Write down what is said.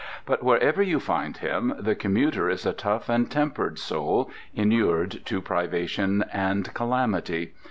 But wherever you find him, the commuter is a tough and tempered soul, inured to privation and calamity.